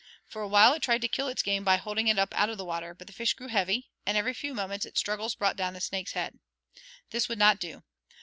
For a while it tried to kill its game by holding it up out of the water, but the fish grew heavy, and every few moments its struggles brought down the snake's head. This would not do.